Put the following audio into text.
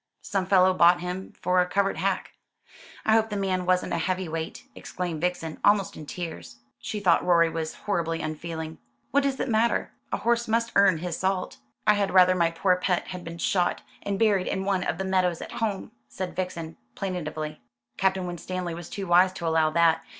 Some fellow bought him for a covert hack." "I hope the man wasn't a heavy weight," exclaimed Vixen, almost in tears. She thought Rorie was horribly unfeeling. "What does it matter? A horse must earn his salt." "I had rather my poor pet had been shot, and buried in one of the meadows at home," said Vixen plaintively. "Captain Winstanley was too wise to allow that.